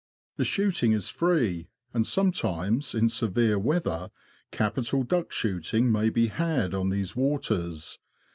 The shooting is free, and sometimes, in severe weather, capital duck shooting may be had on these waters.